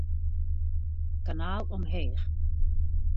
Kanaal omheech.